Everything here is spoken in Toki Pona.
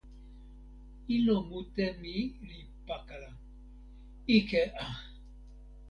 ilo mute mi li pakala. ike a!